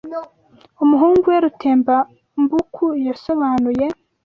Umuhungu we Rutembambuku yasobanuye